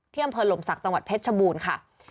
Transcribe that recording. เที่ยมพลลมศักดิ์จังหวัดเพชรชบูรณ์ค่ะ